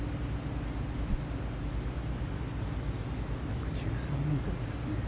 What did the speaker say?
約１３ｍですね。